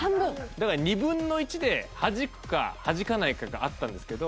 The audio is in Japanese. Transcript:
だから２分の１で弾くか弾かないかがあったんですけど。